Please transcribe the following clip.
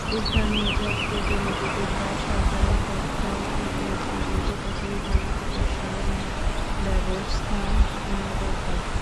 স্থানীয় জনপ্রতিনিধি কিংবা সরকারের পক্ষ থেকে দ্রুত কচুরিপানা অপসারণের ব্যবস্থা নেওয়া দরকার।